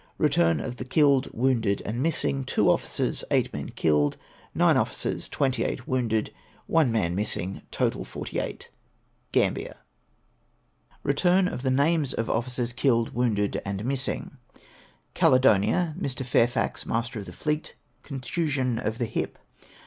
Eeturn of the killed, wounded, and missing: — Two officers, eight men, killed ; nine officers, 28 wounded ; one man missing. Total, — 48. GrAMUIEE. 414 APrEXDlX III. Return of the names of Ofiicers killed, ivounded and missing. Caledonia,, Mr. Fairfax, Master of the fleet ; contusion of the hip.